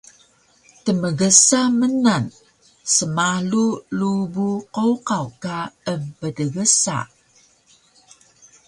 tmgsa mnan smalu lubug qowqaw ka emptgsa